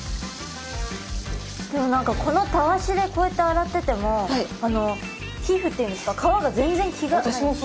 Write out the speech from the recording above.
でも何かこのたわしでこうやって洗ってても皮膚っていうんですか皮が全然傷つかないから。